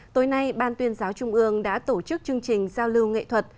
tối nay ban tuyên giáo trung ương đã tổ chức chương trình giao lưu nghệ thuật